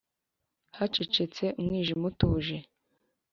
hacecetse umwijima utuje,